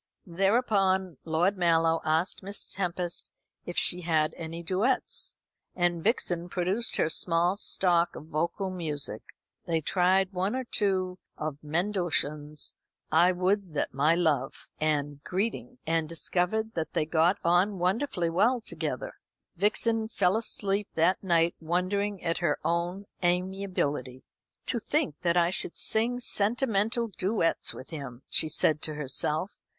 Thereupon Lord Mallow asked Miss Tempest if she had any duets, and Vixen produced her small stock of vocal music. They tried one or two of Mendelssohn's, "I would that my love," and "Greeting," and discovered that they got on wonderfully well together. Vixen fell asleep that night wondering at her own amiability. "To think that I should sing sentimental duets with him," she said to herself.